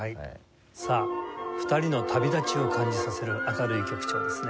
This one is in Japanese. さあ２人の旅立ちを感じさせる明るい曲調ですね。